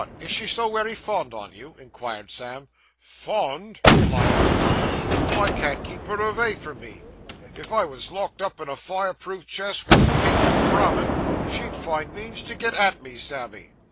is she so wery fond on you?' inquired Sam. 'Fond!' replied his father. 'I can't keep her avay from me. If I was locked up in a fireproof chest vith a patent Brahmin, she'd find means to get at me, Sammy.